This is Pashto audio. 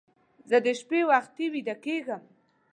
زه د شپې وختي ویده کېږم